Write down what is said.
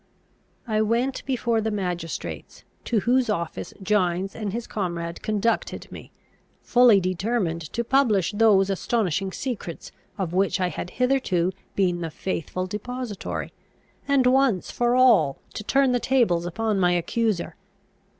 I went before the magistrates, to whose office Gines and his comrade conducted me, fully determined to publish those astonishing secrets of which I had hitherto been the faithful depository; and, once for all, to turn the tables upon my accuser.